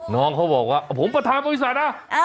น้องเขาบอกว่าผมประธานบริษัทนะ